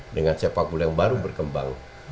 dengan sepak bola yang baru berkembang